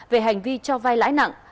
về hành vi cho vay lãi nặng